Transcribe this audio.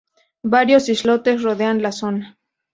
Varios islotes rodean la zona.